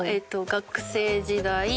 学生時代。